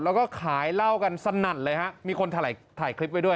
แล้วก็ขายเหล้ากันสนั่นเลยฮะมีคนถ่ายถ่ายคลิปไว้ด้วย